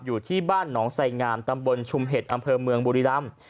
อยู่ที่บ้านหนองไสงามตำบลชุมเห็ดอำเภอเมืองบุรีรำ